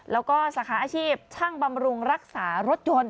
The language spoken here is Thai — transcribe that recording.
แล้วก็สาขาอาชีพช่างบำรุงรักษารถยนต์